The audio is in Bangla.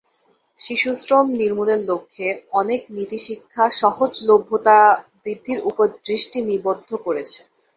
শিশুশ্রম নির্মূলের লক্ষ্যে অনেক নীতি শিক্ষার সহজলভ্যতা বৃদ্ধির উপর দৃষ্টি নিবদ্ধ করেছে।